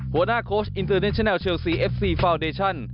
หัวหน้าโค้ชอินเตอร์เนชั่นแนลเชียลซีเอฟซีฟาวน์เดชั่น